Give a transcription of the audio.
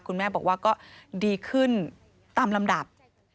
คุณแม่บอกว่าก็ดีขึ้นตามลำดับ